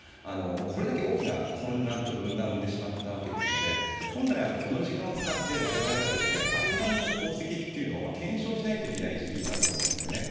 これだけ大きな混乱と分断を生んでしまったわけですので本来この時間を使って我々は安倍さんの功績というのを検証しないといけない時期なんだと思うんですね。